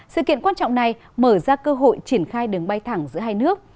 sự kiện quan trọng này mở ra cơ hội triển khai đường bay thẳng giữa hai nước